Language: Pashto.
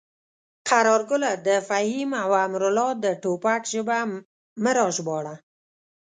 قراره ګله د فهیم او امرالله د ټوپک ژبه مه راژباړه.